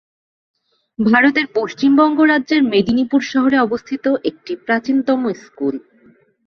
ভারতের পশ্চিমবঙ্গ রাজ্যের মেদিনীপুর শহরে অবস্থিত একটি প্রাচীনতম স্কুল।